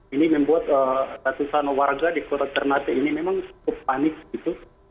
ini membuat ratusan warga di kota ternate ini memang cukup panik gitu